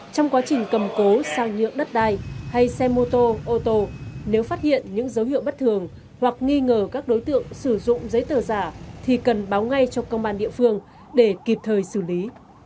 trong quá trình cầm cố sang nhượng đất đai hay xe mô tô ô tô nếu phát hiện những dấu hiệu bất thường hoặc nghi ngờ các đối tượng sử dụng giấy tờ giả thì cần báo ngay cho công an địa phương để kịp thời xử lý